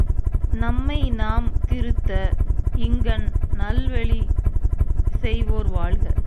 நம்மைநாம் திருத்த இங்ஙன் நல்வழி செய்வோர் வாழ்க!